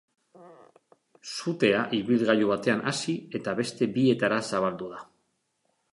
Sutea ibilgailu batean hasi eta beste bietara zabaldu da.